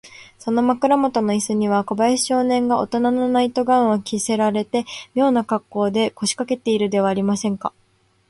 その枕もとのイスには、小林少年がおとなのナイト・ガウンを着せられて、みょうなかっこうで、こしかけているではありませんか。